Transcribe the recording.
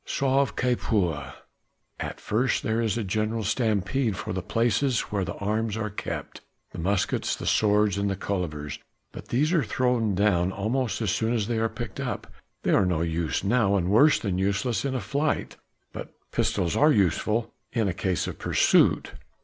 sauve qui peut!" At first there is a general stampede for the places where the arms are kept the muskets, the swords and cullivers but these are thrown down almost as soon as they are picked up. They are no use now and worse than useless in a flight. But pistols are useful, in case of pursuit.